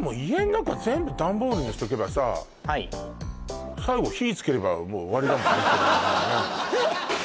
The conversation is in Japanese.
もう家ん中全部ダンボールにしとけばさはい最後火つければもう終わりだもんね